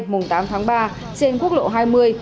mùng tám tháng ba trên quốc lộ hai mươi